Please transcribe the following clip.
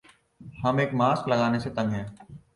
ہم ایک ماسک لگانے سے تنگ ہیں